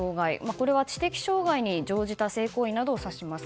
これは知的障害に乗じた性行為などを差します。